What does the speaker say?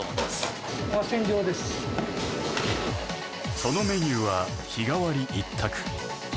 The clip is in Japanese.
そのメニューは日替わり一択